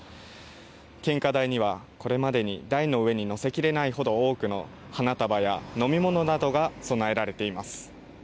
献花台にはこれまでに台の上に載せきれないほど多くの花束や飲み物などが供えられています。